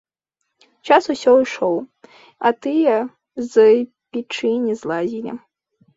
Час усё ішоў, а тыя з печы не злазілі.